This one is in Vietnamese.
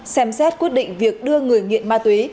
xem xét quyết định việc đưa người nghiện ma túy